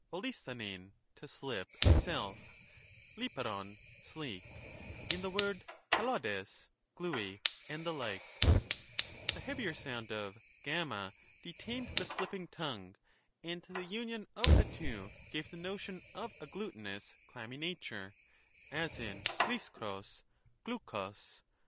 uaddvuv (to slip) itself, Ainafjbv (sleek), in the word KoX/Md^g (gluey), and the like : the heavier sound of y detained the slipping tongue, and the union of the two gave the notion of a glutinous clammy nature, as in yXiaxpog, javkvc, y